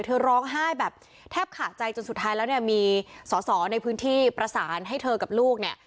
เธอร้องไห้แบบแทบขาดใจจนสุดท้ายแล้วเนี่ยมีสอสอในพื้นที่ประสานให้เธอกับลูกเนี่ย